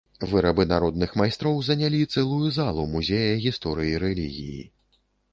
Вырабы народных майстроў занялі цэлую залу музея гісторыі рэлігіі.